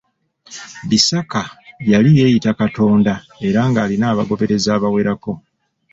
Bisaka yali yeeyita Katonda era ng'alina abagoberezi abawerako.